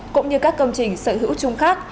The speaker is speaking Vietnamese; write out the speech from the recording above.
cũng như các công trình sở hữu chung khác